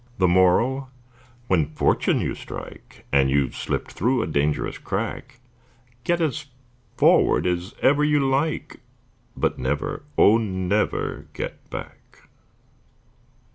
The Moral: When fortune you strike, And you've slipped through a dangerous crack, Get as forward as ever you like, But never, oh, never get back!